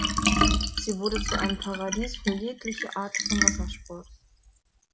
Sie wurde zu einem Paradies für jegliche Art von Wassersport.